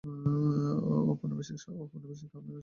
ঔপনিবেশিক শাসনামলে আফিম শিল্প একটি একচেটিয়া কারবার ছিল।